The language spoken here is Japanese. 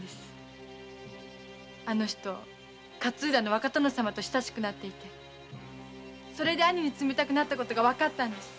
あの人勝浦の若殿様と親しくなっていてそれで兄に冷たくなった事がわかったんです。